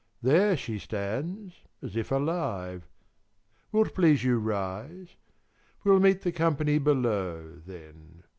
There she stands As if alive. Will't please you rise? We'll meet The company below, then.